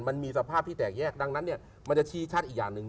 มันมีสภาพที่แตกแยกดังนั้นเนี่ยมันจะชี้ชัดอีกอย่างหนึ่ง